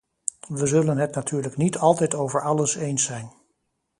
We zullen het natuurlijk niet altijd over alles eens zijn.